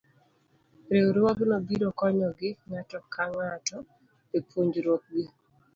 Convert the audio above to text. Riwruogno biro konyogi ng'ato ka ng'ato e puonjruok gi.